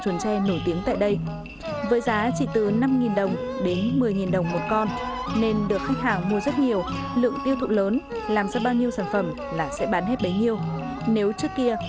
chuồng chuồn tre để tặng cho quý vị khán giả